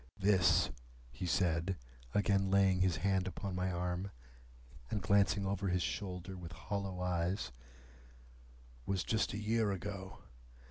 "This," he said, again laying his hand upon my arm, and glancing over his shoulder with hollow eyes, "was just a year ago.